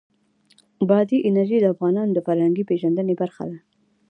بادي انرژي د افغانانو د فرهنګي پیژندنې برخه ده.